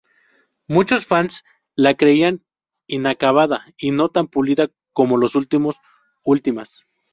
Muchos fans la creían inacabada y no tan pulida como los últimos Ultimas.